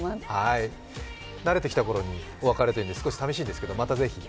慣れてきたころにお別れということでさみしいですけどまたぜひ。